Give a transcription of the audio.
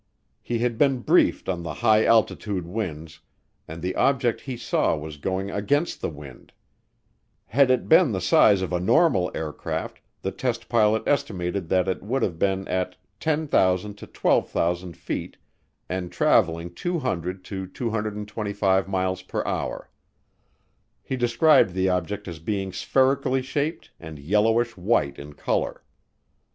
He had been briefed on the high altitude winds, and the object he saw was going against the wind. Had it been the size of a normal aircraft, the test pilot estimated that it would have been at 10,000 to 12,000 feet and traveling 200 to 225 miles per hour. He described the object as being spherically shaped and yellowish white in color.